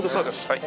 はい。